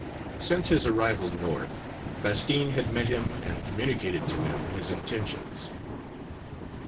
Since his arrival North, Bastine had met him and communicated to him his intentions.